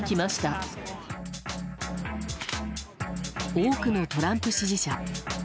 多くのトランプ支持者。